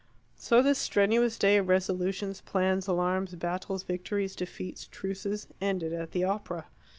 So this strenuous day of resolutions, plans, alarms, battles, victories, defeats, truces, ended at the opera.